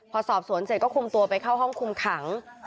พอสอบสวนเสร็จก็คุมตัวไปเข้าห้องคุมขัง